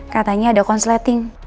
katanya ada consleting